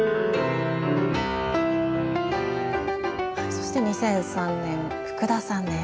そして２００３年福田さんです。